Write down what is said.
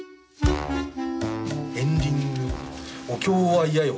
「エンディングお経はイヤよ